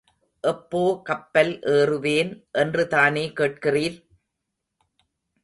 எப்போ கப்பல் ஏறுவேன் என்று தானே கேட்கிறீர்?